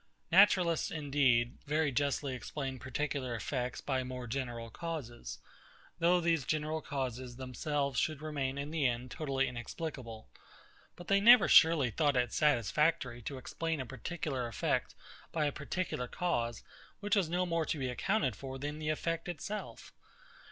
Naturalists indeed very justly explain particular effects by more general causes, though these general causes themselves should remain in the end totally inexplicable; but they never surely thought it satisfactory to explain a particular effect by a particular cause, which was no more to be accounted for than the effect itself.